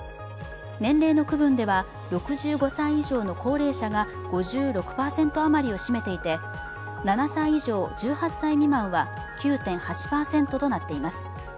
年齢の区分では、６５歳以上の高齢者が５６％余りを占めていて、７歳以上１８歳未満は９．８％となっています。